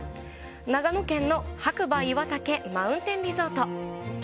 長野県の白馬岩岳マウンテンリゾート。